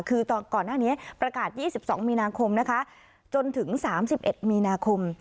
คือก่อนหน้านี้ประกาศ๒๒มีนาคมนะคะจนถึง๓๑มีนาคม